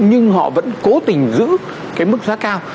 nhưng họ vẫn cố tình giữ cái mức giá cao